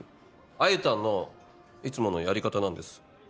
あゆたんのいつものやり方なんです。